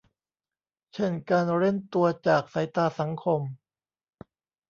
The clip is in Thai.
เช่นการเร้นตัวจากสายตาสังคม